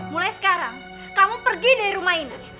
mulai sekarang kamu pergi dari rumah ini